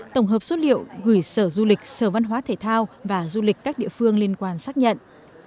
tổng hợp xuất liệu gửi sở du lịch sở văn hóa thể thao và du lịch các địa phương liên quan xác nhận